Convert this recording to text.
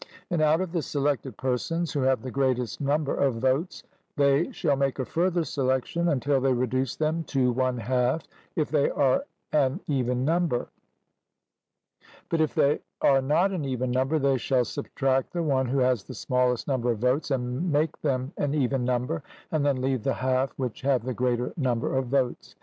And out of the selected persons who have the greatest number of votes, they shall make a further selection until they reduce them to one half, if they are an even number; but if they are not an even number, they shall subtract the one who has the smallest number of votes, and make them an even number, and then leave the half which have the greater number of votes.